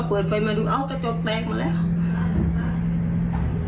ไม่รู้สว่านอนอยู่แล้วมันขายจากคนก็ไปแล้วมานึง